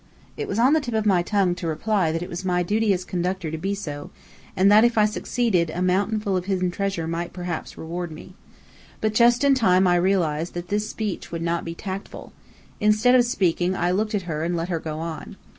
It was on the tip of my tongue to reply that it was my duty as Conductor to be so, and that, if I succeeded, a mountain full of hidden treasure might perhaps reward me. But just in time I realized that this speech would not be tactful. Instead of speaking, I looked at her and let her go on.